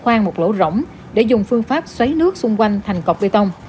khoan một lỗ rỗng để dùng phương pháp xoáy nước xung quanh thành cọc bê tông